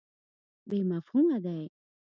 بې مفهومه دی.